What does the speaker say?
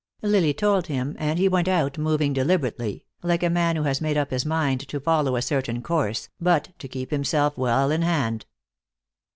Lily told him and he went out, moving deliberately, like a man who has made up his mind to follow a certain course, but to keep himself well in hand.